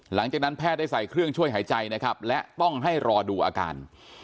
หลังจากนั้นแพทย์ได้ใส่เครื่องช่วยหายใจนะครับและต้องให้รอดูอาการ